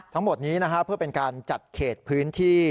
ทั้งหมดนี้เพื่อเป็นการจัดเขตพื้นที่